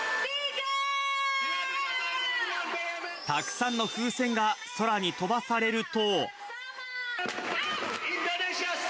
たくさんの風船が空に飛ばされると。